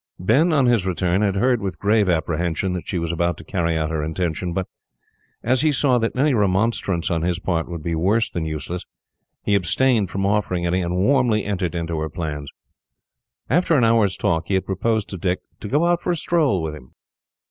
Ben, on his return, had heard with grave apprehension that she was about to carry out her intention; but, as he saw that any remonstrance on his part would be worse than useless, he abstained from offering any, and warmly entered into her plans. After an hour's talk, he had proposed to Dick to go out for a stroll with him.